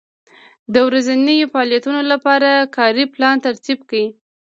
د ورځنیو فعالیتونو لپاره کاري پلان ترتیب کړئ.